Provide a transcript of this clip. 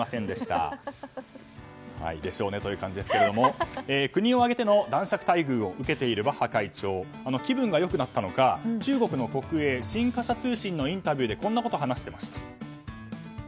でしょうねという感じですけども国を挙げての男爵待遇を受けているバッハ会長気分が良くなったのか中国の国営、新華社通信のインタビューでこんなことを話していました。